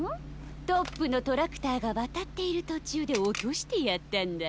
トップのトラクターがわたっているとちゅうでおとしてやったんだ。